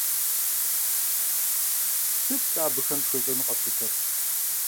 Сыт-тӀэ абыхэм тхуещӀэну къэфлъытэр?